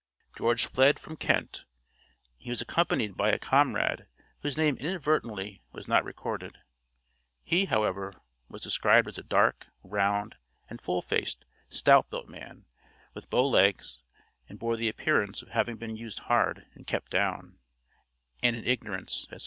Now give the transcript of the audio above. George fled from Kent; he was accompanied by a comrade whose name inadvertently was not recorded; he, however, was described as a dark, round, and full faced, stout built man, with bow legs, and bore the appearance of having been used hard and kept down, and in ignorance, &c.